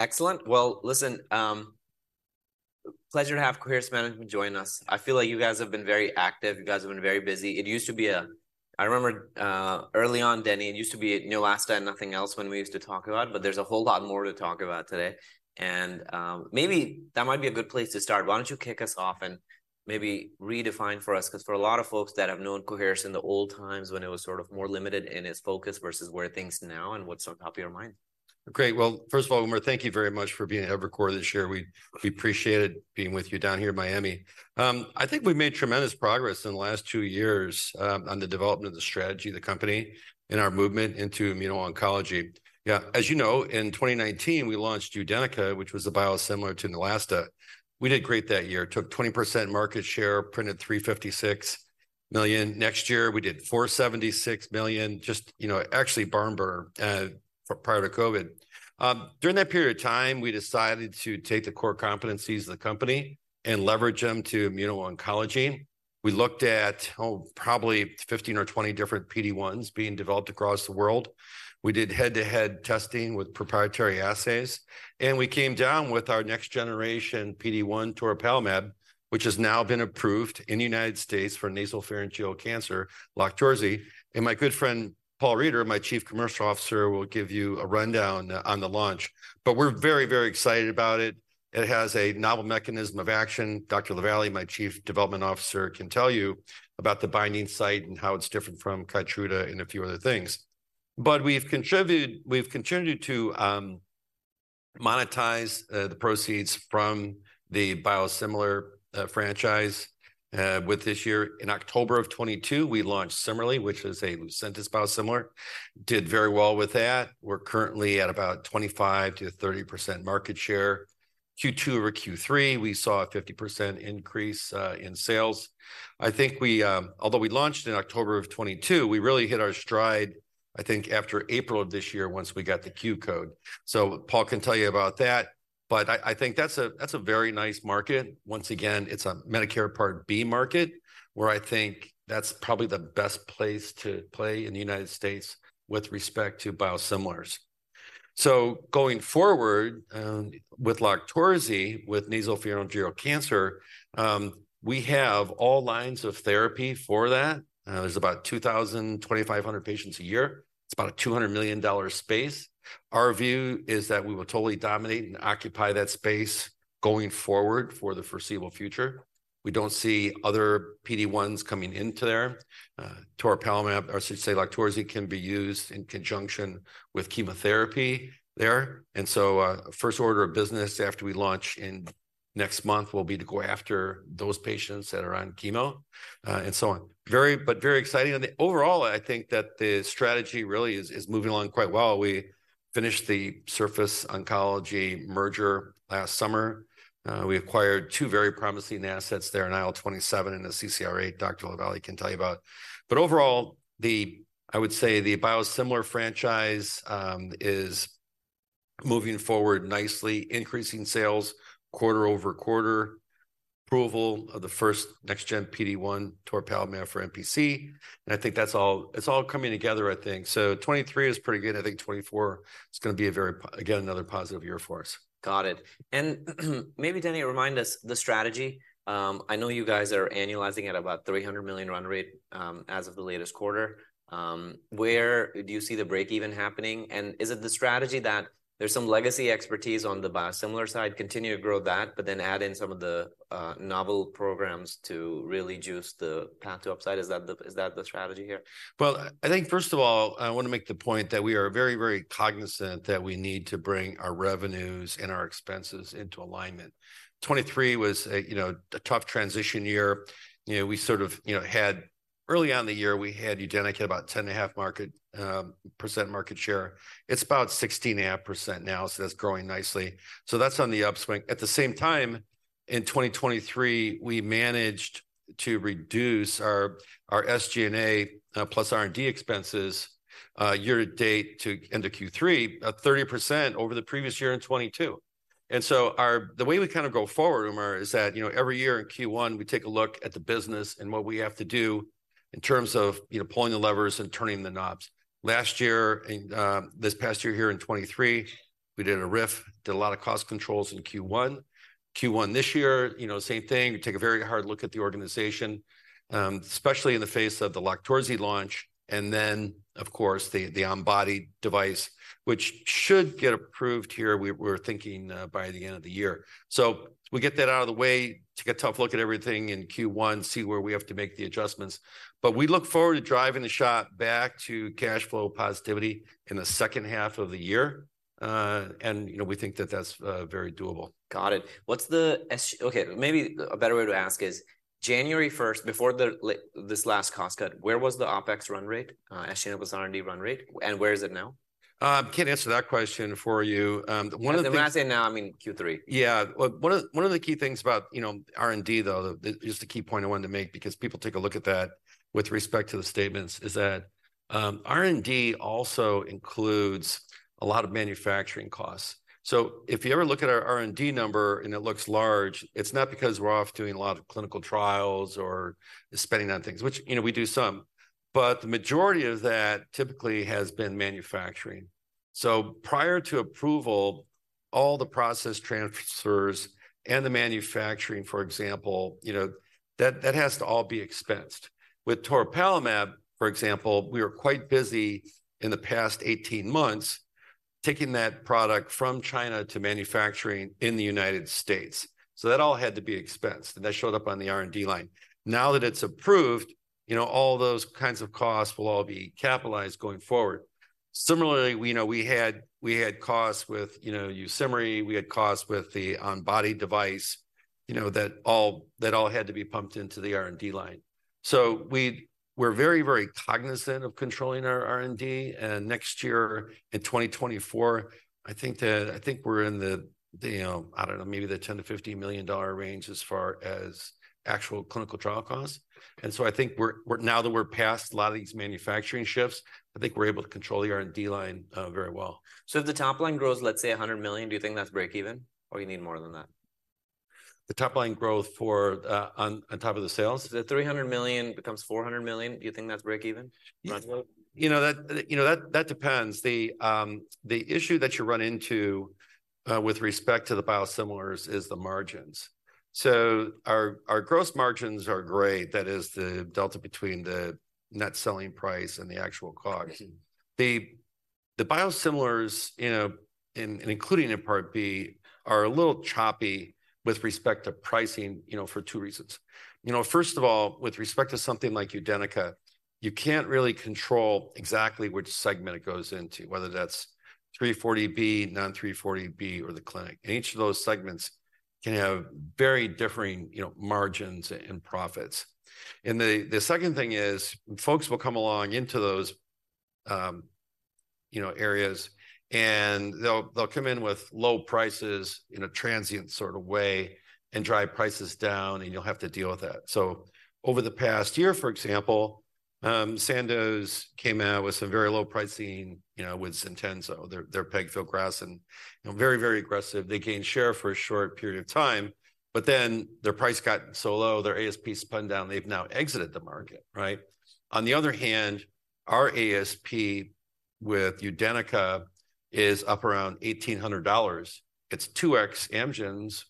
Excellent. Well, listen, pleasure to have Coherus Management join us. I feel like you guys have been very active. You guys have been very busy. I remember, early on, Denny, it used to be Neulasta and nothing else when we used to talk about, but there's a whole lot more to talk about today. Maybe that might be a good place to start. Why don't you kick us off and maybe redefine for us? 'Cause for a lot of folks that have known Coherus in the old times, when it was sort of more limited in its focus versus where are things now, and what's on top of your mind? Great. Well, first of all, Umer, thank you very much for being at Evercore this year. We, we appreciate it, being with you down here in Miami. I think we've made tremendous progress in the last two years, on the development of the strategy of the company and our movement into immuno-oncology. Yeah, as you know, in 2019, we launched UDENYCA, which was a biosimilar to Neulasta. We did great that year, took 20% market share, printed $356 million. Next year, we did $476 million, just, you know, actually barnburner, for prior to COVID. During that period of time, we decided to take the core competencies of the company and leverage them to immuno-oncology. We looked at, oh, probably 15 or 20 different PD-1s being developed across the world. We did head-to-head testing with proprietary assays, and we came down with our next generation PD-1 toripalimab, which has now been approved in the United States for nasopharyngeal cancer, LOQTORZI. My good friend, Paul Reider, my Chief Commercial Officer, will give you a rundown on the launch. But we're very, very excited about it. It has a novel mechanism of action. Dr. LaVallee, my Chief Development Officer, can tell you about the binding site and how it's different from Keytruda and a few other things. We've continued to monetize the proceeds from the biosimilar franchise with this year. In October of 2022, we launched CIMERLI, which is a Lucentis biosimilar. Did very well with that. We're currently at about 25%-30% market share. Q2 over Q3, we saw a 50% increase in sales. Although we launched in October of 2022, we really hit our stride, I think, after April of this year, once we got the Q-Code. So Paul can tell you about that, but I think that's a, that's a very nice market. Once again, it's a Medicare Part B market, where I think that's probably the best place to play in the United States with respect to biosimilars. So going forward, with LOQTORZI, with nasopharyngeal cancer, we have all lines of therapy for that. There's about 2,000-2,500 patients a year. It's about a $200 million space. Our view is that we will totally dominate and occupy that space going forward for the foreseeable future. We don't see other PD-1s coming into there. Toripalimab, or should say LOQTORZI, can be used in conjunction with chemotherapy there. And so, first order of business after we launch next month will be to go after those patients that are on chemo, and so on. But very exciting, and overall, I think that the strategy really is moving along quite well. We finished the Surface Oncology merger last summer. We acquired two very promising assets there, an IL-27 and a CCR8. Dr. LaVallee can tell you about. But overall, I would say the biosimilar franchise is moving forward nicely, increasing sales quarter-over-quarter, approval of the first next gen PD-1 toripalimab for NPC, and I think it's all coming together, I think. So 2023 is pretty good. I think 2024 is gonna be a again, another positive year for us. Got it. And maybe, Denny, remind us the strategy. I know you guys are annualizing at about $300 million run rate, as of the latest quarter. Where do you see the break-even happening? And is it the strategy that there's some legacy expertise on the biosimilar side, continue to grow that, but then add in some of the novel programs to really juice the path to upside? Is that the strategy here? Well, I think, first of all, I wanna make the point that we are very, very cognizant that we need to bring our revenues and our expenses into alignment. 2023 was you know, a tough transition year. Early on the year, we had UDENYCA, about 10.5% market share. It's about 16.5% now, so that's growing nicely. So that's on the upswing. At the same time, in 2023, we managed to reduce our SG&A plus R&D expenses year to date to end of Q3 30% over the previous year in 2022. So the way we kind of go forward, Umer, is that, you know, every year in Q1, we take a look at the business and what we have to do in terms of, you know, pulling the levers and turning the knobs. Last year, in this past year here in 2023, we did a RIF, did a lot of cost controls in Q1. Q1 this year, you know, same thing. We take a very hard look at the organization, especially in the face of the LOQTORZI launch, and then, of course, the ONBODY device, which should get approved here, we're thinking, by the end of the year. So we get that out of the way, take a tough look at everything in Q1, see where we have to make the adjustments, but we look forward to driving the shot back to cash flow positivity in the second half of the year. You know, we think that that's very doable. Got it. Maybe a better way to ask is, January first, before this last cost cut, where was the OpEx run rate, as it was R&D run rate, and where is it now? Can't answer that question for you. When I say now, I mean Q3. Yeah. Well, one of, one of the key things about, you know, R&D, though, is the key point I wanted to make, because people take a look at that with respect to the statements, is that, R&D also includes a lot of manufacturing costs. So if you ever look at our R&D number and it looks large, it's not because we're off doing a lot of clinical trials or spending on things, which, you know, we do some, but the majority of that typically has been manufacturing. So prior to approval, all the process transfers and the manufacturing, for example, you know, that, that has to all be expensed. With toripalimab, for example, we were quite busy in the past 18 months taking that product from China to manufacturing in the United States. So that all had to be expensed, and that showed up on the R&D line. Now that it's approved, you know, all those kinds of costs will all be capitalized going forward. Similarly, we know we had costs with, you know, YUSIMRY we had costs with the ONBODY device, you know, that all had to be pumped into the R&D line. So we're very, very cognizant of controlling our R&D, and next year, in 2024, I think that I think we're in the, the, I don't know, maybe the $10 million-$50 million range as far as actual clinical trial costs. And so I think we're now that we're past a lot of these manufacturing shifts, I think we're able to control the R&D line very well. If the top line grows, let's say, $100 million, do you think that's break even, or you need more than that? The top-line growth for on top of the sales? The $300 million becomes $400 million. Do you think that's break-even, roughly? You know, that depends. The issue that you run into with respect to the biosimilars is the margins. So our gross margins are great, that is, the delta between the net selling price and the actual COGS. The biosimilars, you know, including in Part B, are a little choppy with respect to pricing, you know, for two reasons. You know, first of all, with respect to something like UDENYCA, you can't really control exactly which segment it goes into, whether that's 340B, non-340B, or the clinic. And each of those segments can have very differing, you know, margins and profits. And the second thing is, folks will come along into those, you know, areas, and they'll come in with low prices in a transient sort of way and drive prices down, and you'll have to deal with that. So over the past year, for example, Sandoz came out with some very low pricing, you know, with Ziextenzo, their pegfilgrastim. You know, very, very aggressive. They gained share for a short period of time, but then their price got so low, their ASP spun down. They've now exited the market, right? On the other hand, our ASP with UDENYCA is up around $1,800. It's 2x Amgen's,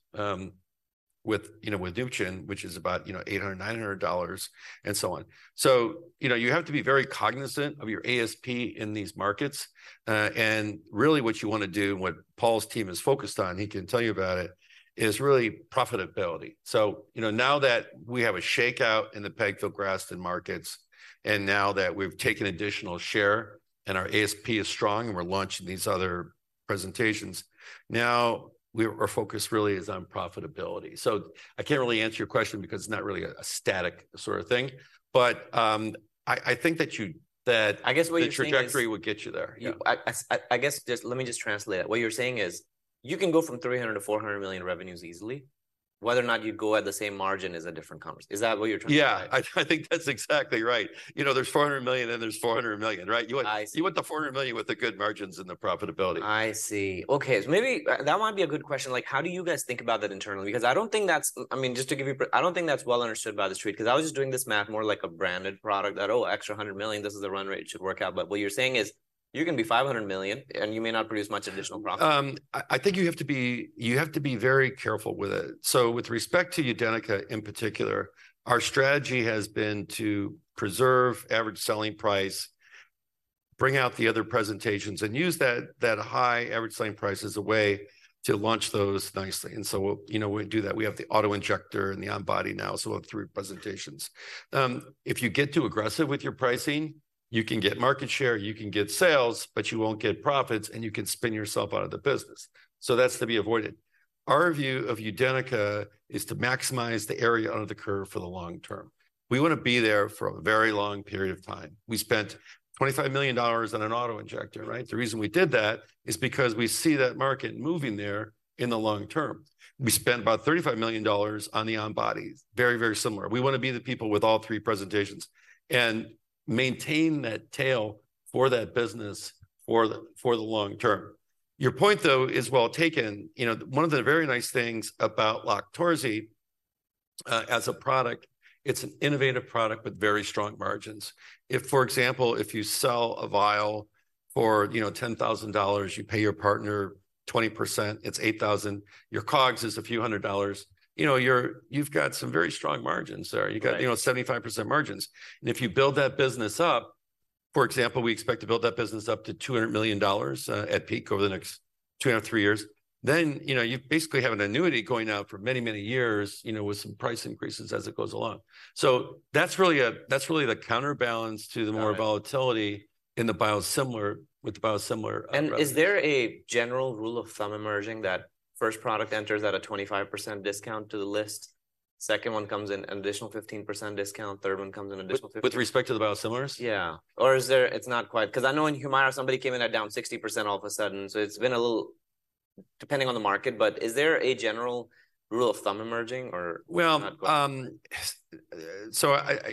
with, you know, with Neupogen, which is about, you know, $800-$900, and so on. So, you know, you have to be very cognizant of your ASP in these markets. And really, what you want to do, and what Paul's team is focused on, he can tell you about it, is really profitability. So, you know, now that we have a shakeout in the pegfilgrastim markets, and now that we've taken additional share and our ASP is strong, and we're launching these other presentations, now our focus really is on profitability. So I can't really answer your question because it's not really a static sort of thing, but I think that the trajectory would get you there. Yeah. I guess just let me just translate that. What you're saying is, you can go from $300 million-$400 million in revenues easily. Whether or not you go at the same margin is a different conversation. Is that what you're trying to say? Yeah, I, I think that's exactly right. You know, there's $400 million, and there's $400 million, right? I see. You want the $400 million with the good margins and the profitability. I see. Okay, so maybe that might be a good question. Like, how do you guys think about that internally? Because I don't think that's well understood by The Street. 'Cause I was just doing this math more like a branded product, that, "Oh, extra $100 million, this is the run rate. It should work out." But what you're saying is, you're gonna be $500 million, and you may not produce much additional profit. I think you have to be very careful with it. So with respect to UDENYCA in particular, our strategy has been to preserve average selling price, bring out the other presentations, and use that high average selling price as a way to launch those nicely. And so, you know, we do that. We have the auto-injector and the on-body now, so we'll have three presentations. If you get too aggressive with your pricing, you can get market share, you can get sales, but you won't get profits, and you can spin yourself out of the business. So that's to be avoided. Our view of UDENYCA is to maximize the area under the curve for the long term. We wanna be there for a very long period of time. We spent $25 million on an auto-injector, right? The reason we did that is because we see that market moving there in the long term. We spent about $35 million on the on-body. Very, very similar. We wanna be the people with all three presentations and maintain that tail for that business for the long term. Your point, though, is well taken. You know, one of the very nice things about LOQTORZI as a product, it's an innovative product with very strong margins. If, for example, if you sell a vial for, you know, $10,000, you pay your partner 20%, it's $8,000. Your COGS is a few hundred dollars. You know, you've got some very strong margins there. Right. You got, you know, 75% margins. And if you build that business up, for example, we expect to build that business up to $200 million at peak over the next two or three years. Then, you know, you basically have an annuity going out for many, many years, you know, with some price increases as it goes along. So the counterbalance to the more volatility in the biosimilar, with the biosimilar, revenues. Is there a general rule of thumb emerging that first product enters at a 25% discount to the list, second one comes in an additional 15% discount, third one comes in an additional 15%? With respect to the biosimilars? Yeah. Or it's not quite. 'Cause I know in HUMIRA, somebody came in at down 60% all of a sudden, so depending on the market but is there a general rule of thumb emerging, or not quite? Well,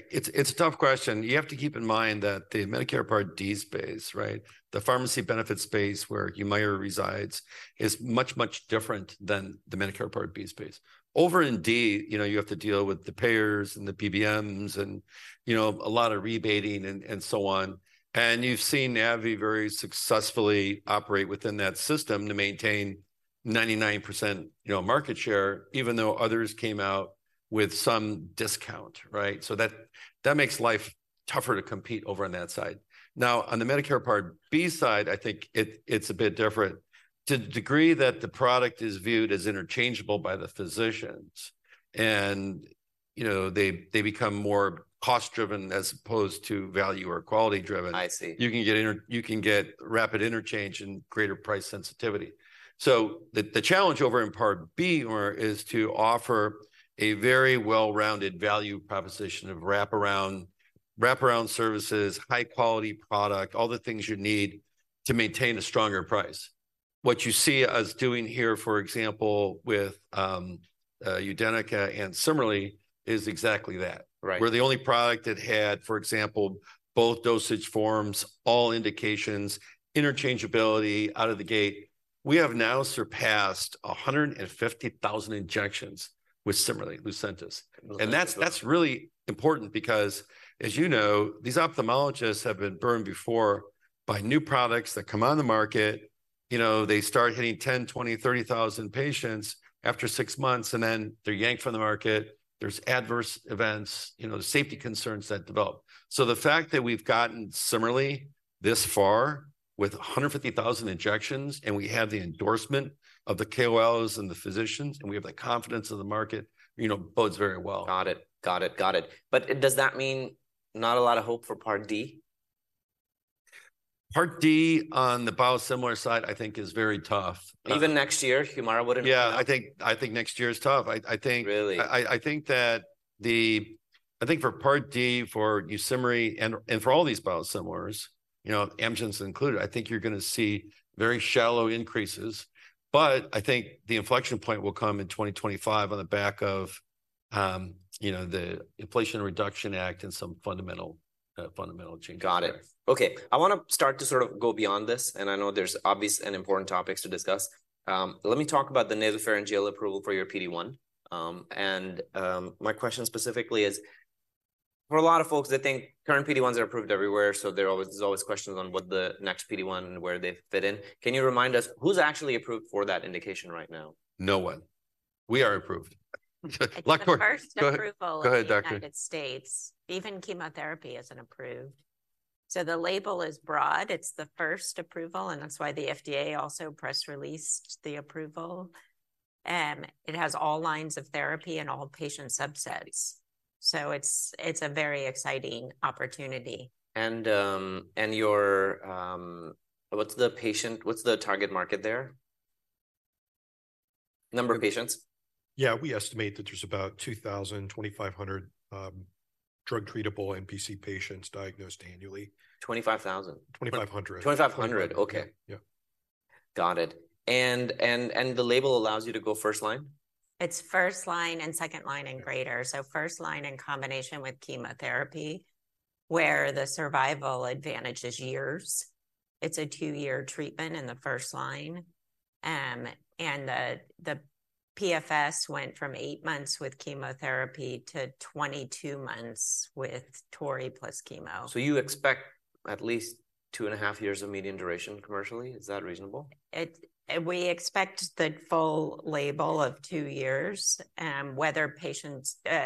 it's a tough question. You have to keep in mind that the Medicare Part D space, right, the pharmacy benefit space where Humira resides, is much, much different than the Medicare Part B space. Over in D, you know, you have to deal with the payers and the PBMs and, you know, a lot of rebating and so on. And you've seen AbbVie very successfully operate within that system to maintain 99%, you know, market share, even though others came out with some discount, right? So that makes life tougher to compete over on that side. Now, on the Medicare Part B side, I think it's a bit different. To the degree that the product is viewed as interchangeable by the physicians, and, you know, they become more cost-driven as opposed to value or quality-driven. I see. You can get rapid interchange and greater price sensitivity. So the challenge over in Part B, Umer, is to offer a very well-rounded value proposition of wraparound, wraparound services, high-quality product, all the things you need to maintain a stronger price. What you see us doing here, for example, with UDENYCA and CIMERLI, is exactly that. Right. We're the only product that had, for example, both dosage forms, all indications, interchangeability out of the gate. We have now surpassed 150,000 injections with Cimerli, Lucentis. And that's, that's really important because, as you know, these ophthalmologists have been burned before by new products that come on the market. You know, they start hitting 10,000, 20,000, 30,000 patients after six months, and then they're yanked from the market. There's adverse events, you know, safety concerns that develop. So the fact that we've gotten CIMERLI this far with 150,000 injections, and we have the endorsement of the KOLs and the physicians, and we have the confidence of the market, you know, bodes very well. Got it. Got it. Got it. But does that mean not a lot of hope for Part D? Part D on the biosimilar side, I think is very tough. Even next year, HUMIRA wouldn't? Yeah, I think next year is tough. Really? I think for Part D, for YUSIMRY, and for all these biosimilars, you know, Amgen's included, I think you're going to see very shallow increases. But I think the inflection point will come in 2025 on the back of, you know, the Inflation Reduction Act and some fundamental changes. Got it. Okay, I want to start to sort of go beyond this, and I know there's obvious and important topics to discuss. Let me talk about the toripalimab approval for your PD-1. And, my question specifically is, for a lot of folks, they think current PD-1s are approved everywhere, so there's always, there's always questions on what the next PD-1 and where they fit in. Can you remind us who's actually approved for that indication right now? No one. We are approved. Go ahead, Doctor. It's the first approval in the United States. Even chemotherapy isn't approved. So the label is broad, it's the first approval, and that's why the FDA also press released the approval. And it has all lines of therapy and all patient subsets. So it's, it's a very exciting opportunity. What's the target market there? Number of patients. Yeah, we estimate that there's about 2,000-2,500 drug-treatable NPC patients diagnosed annually. 25,000? 2500. 2500. Yeah. Okay. Yeah. Got it. And the label allows you to go first line? It's first line and second line and greater. So first line in combination with chemotherapy, where the survival advantage is years. It's a two-year treatment in the first line. And the PFS went from 8 months with chemotherapy to 22 months with toripalimab plus chemo. Do you expect at least 2.5 years of median duration commercially? Is that reasonable? We expect the full label of two years, whether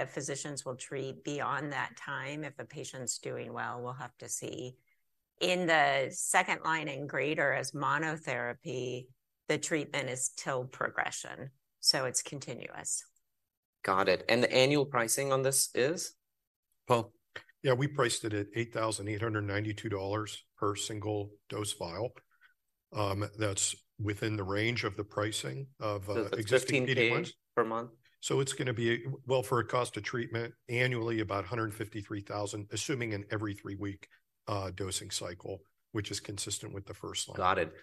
physicians will treat beyond that time, if a patient's doing well, we'll have to see. In the second line and greater as monotherapy, the treatment is till progression, so it's continuous. Got it. And the annual pricing on this is? Paul? Yeah, we priced it at $8,892 per single-dose vial. That's within the range of the pricing of existing PD-1s. So it's $16K per month? Well, for a cost of treatment, annually, about $153,000, assuming an every three-week dosing cycle, which is consistent with the first line. Got it.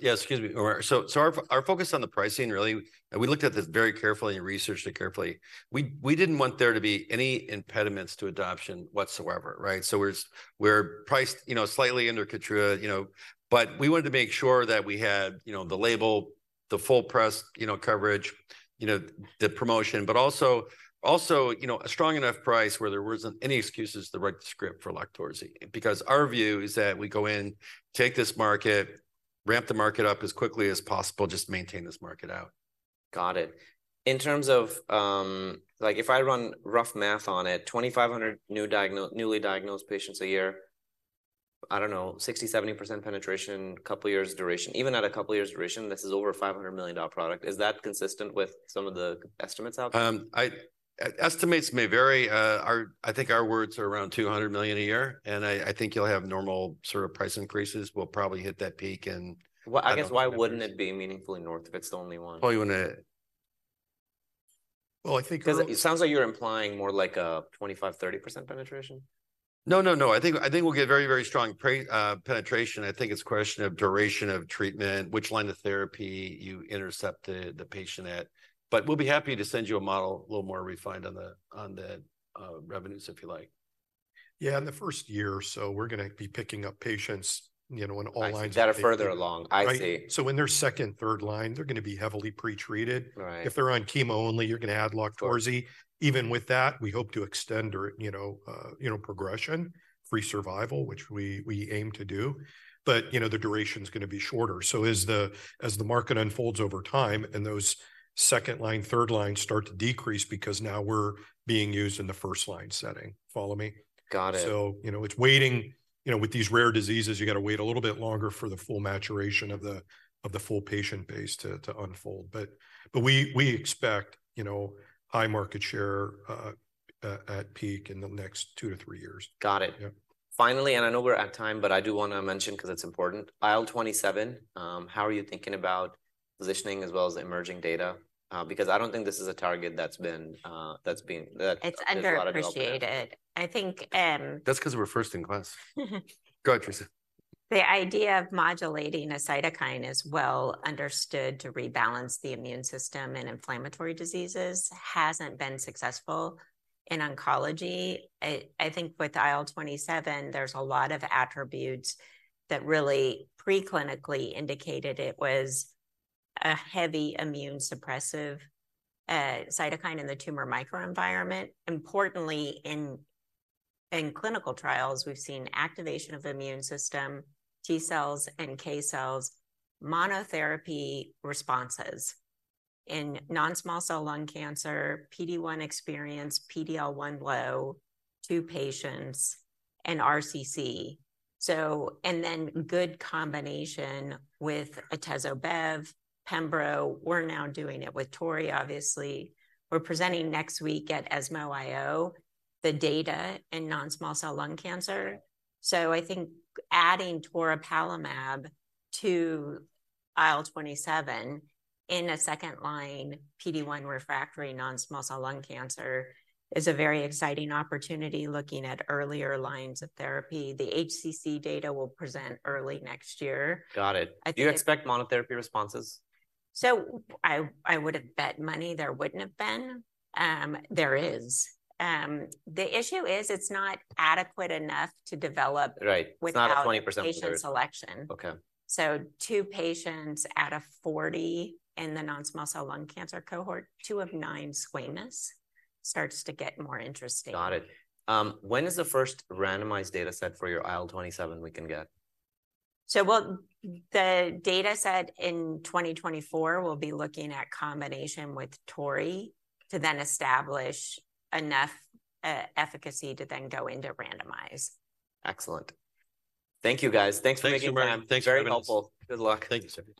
Yeah, excuse me, Umer. So our focus on the pricing, really, and we looked at this very carefully and researched it carefully. We didn't want there to be any impediments to adoption whatsoever, right? So we're priced, you know, slightly under Keytruda, you know, but we wanted to make sure that we had, you know, the label, the full press, you know, coverage, you know, the promotion, but also, you know, a strong enough price where there wasn't any excuses to write the script for LOQTORZI. Because our view is that we go in, take this market, ramp the market up as quickly as possible, just maintain this market out. Got it. In terms of, like, if I run rough math on it, 2,500 newly diagnosed patients a year, I don't know, 60%-70% penetration, couple of years duration. Even at a couple of years duration, this is over a $500 million product. Is that consistent with some of the estimates out there? Estimates may vary. I think our words are around $200 million a year, and I think you'll have normal sort of price increases. We'll probably hit that peak in- Well, I guess, why wouldn't it be meaningfully north if it's the only one? 'Cause it sounds like you're implying more like a 25-30% penetration. No, no, no. I think, I think we'll get very, very strong pre-penetration. I think it's a question of duration of treatment, which line of therapy you intercepted the patient at. But we'll be happy to send you a model, a little more refined on the revenues, if you like. Yeah, in the first year or so, we're gonna be picking up patients, you know. So in their second, third line, they're gonna be heavily pre-treated. Right. If they're on chemo only, you're gonna add LOQTORZI. Even with that, we hope to extend or, you know, you know, progression-free survival, which we, we aim to do. But, you know, the duration's gonna be shorter. So as the market unfolds over time, and those second-line, third-line start to decrease because now we're being used in the first-line setting. Follow me? Got it. You know, it's waiting. You know, with these rare diseases, you've gotta wait a little bit longer for the full maturation of the full patient base to unfold. But we expect, you know, high market share at peak in the next 2-3 years. Got it. Yeah. Finally, and I know we're at time, but I do wanna mention, 'cause it's important, IL-27, how are you thinking about positioning as well as emerging data? Because I don't think this is a target that's been, that's been, that There's a lot of development. It's underappreciated. That's 'cause we're first in class. Go ahead, Theresa. The idea of modulating a cytokine is well understood to rebalance the immune system in inflammatory diseases, hasn't been successful in oncology. I, I think with IL-27, there's a lot of attributes that really pre-clinically indicated it was a heavy immune suppressive cytokine in the tumor microenvironment. Importantly, in clinical trials, we've seen activation of the immune system, T-cells, NK-cells, monotherapy responses in non-small cell lung cancer, PD-1 experienced, PD-L1 low, two patients, and RCC. So, and then good combination with atezo bev, pembro. We're now doing it with toripalimab, obviously. We're presenting next week at ESMO IO, the data in non-small cell lung cancer. So I think adding toripalimab to IL-27 in a second-line PD-1 refractory non-small cell lung cancer is a very exciting opportunity, looking at earlier lines of therapy. The HCC data we'll present early next year. Got it. Do you expect monotherapy responses? So I would have bet money there wouldn't have been. There is. The issue is, it's not adequate enough to develop without patient selection Right. It's not a 20%? Okay. So 2 patients out of 40 in the non-small cell lung cancer cohort, 2 of 9 squamous, starts to get more interesting. Got it. When is the first randomized data set for your IL-27 we can get? Well, the data set in 2024, we'll be looking at combination with Tori, to then establish enough efficacy to then go into randomize. Excellent. Thank you, guys. Thanks for making time. Thank you, Umer. Thanks very much. Very helpful. Good luck. Thank you, sir.